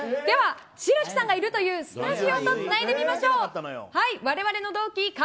白木さんがいるというスタジオとつないでみましょう。